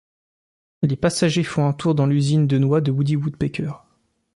Les passagers font un tour dans l'usine de noix de Woody Woodpecker.